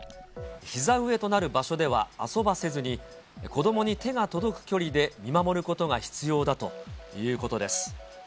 ひざ上となる場所では遊ばせずに、子どもに手が届く距離で見守ることが必要だということです。